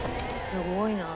すごいな。